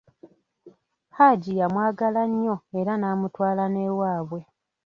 Hajji yamwagala nnyo era n'amutwala n'ewabwe.